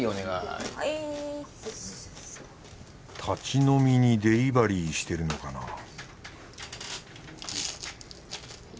立ち飲みにデリバリーしてるのかな